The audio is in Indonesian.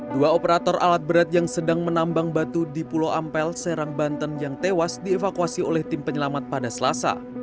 dua operator alat berat yang sedang menambang batu di pulau ampel serang banten yang tewas dievakuasi oleh tim penyelamat pada selasa